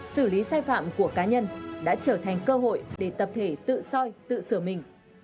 xử lý sai phạm của cá nhân đã trở thành cơ hội để tập thể tự soi tự sửa mình